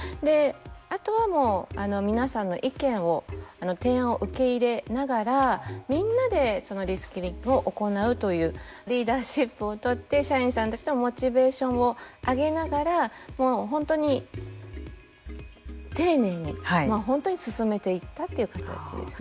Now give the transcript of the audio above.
あとはもう皆さんの意見を提案を受け入れながら、みんなでそのリスキリングを行うというリーダーシップをとって社員さんたちとモチベーションを上げながらもう本当に、丁寧に本当に進めていったという形ですね。